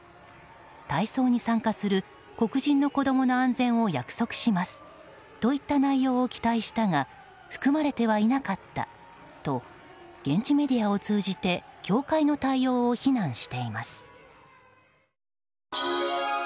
体操に参加する黒人の子供の安全を約束しますといった内容を期待したが含まれてはいなかったと現地メディアを通じて協会の対応を非難しています。